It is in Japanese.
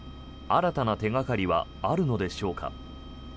新たな手掛かりはあるのでしょうか。